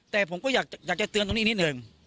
แต่ผมก็อยากจะเตือนตรงนี้นิดหนึ่ง